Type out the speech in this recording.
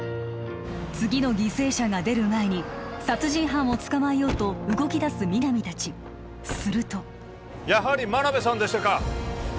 次の犠牲者が出る前に殺人犯を捕まえようと動きだす皆実達するとやはり真鍋さんでしたか！